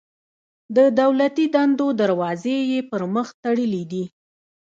د دولتي دندو دروازې یې پر مخ تړلي دي.